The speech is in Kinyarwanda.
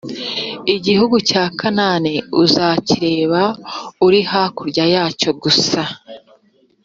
igihugu cya kanahani uzakireba uri hakurya yacyo gusa,